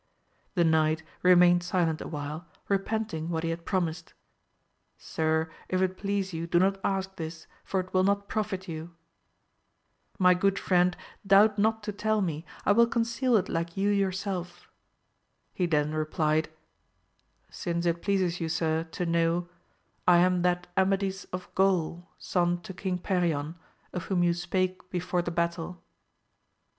The knight remained silent awhile, repenting what he had promised, — Sir, if it please you do not ask this, for it will not profit you. — ^My good friend doubt not to tell me — I will conceal it AMADIS OF GAUL. 255 like you yourself. He then replied, Since it pleases you sir to know, I am that Amadis of Gaul, son to King Perion, of whom you spake before the battle.